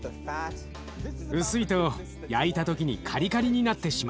薄いと焼いた時にカリカリになってしまう。